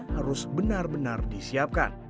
harus benar benar disiapkan